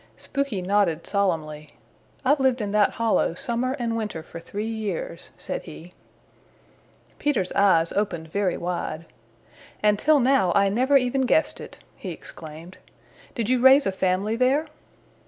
Spooky nodded solemnly. "I've lived in that hollow summer and winter for three years," said he. Peter's eyes opened very wide. "And till now I never even guessed it," he exclaimed. "Did you raise a family there?"